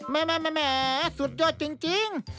แม่สุดยอดจริง